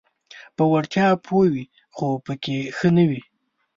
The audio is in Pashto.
په وړتیا پوه وي خو پکې ښه نه وي: